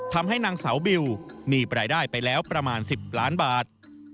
ทำให้นางสาวบิวมีรายได้ไปแล้วประมาณ๑๐ล้านบาท